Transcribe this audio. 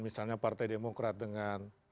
misalnya partai demokrat dengan